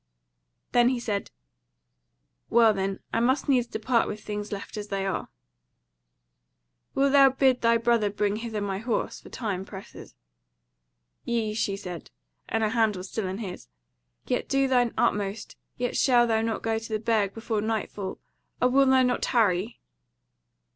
Then he said: "Well then, I must needs depart with things left as they are: wilt thou bid thy brother bring hither my horse, for time presses." "Yea," she said (and her hand was still in his), "Yet do thine utmost, yet shalt thou not get to the Burg before nightfall. O wilt thou not tarry?"